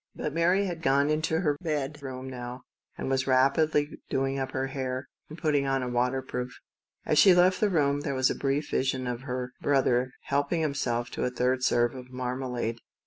But Mary had crossed into her tiny bedroom now, and was rapidly doing up her hair, and putting on a waterproof. As she left the flat, there was a brief vision of Jimmie helping himself to a third serve of marmalade.